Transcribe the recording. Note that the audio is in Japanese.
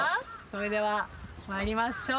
それでは参りましょう。